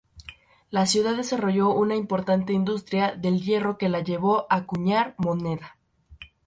La ciudad desarrolló una importante industria del hierro que la llevó a acuñar moneda.